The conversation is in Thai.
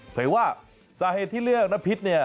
เผยว่าสาเหตุที่เลือกน้ำพิษเนี่ย